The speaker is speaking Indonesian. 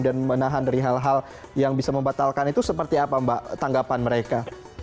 dan menahan dari hal hal yang bisa membatalkan itu seperti apa mbak tanggapan mereka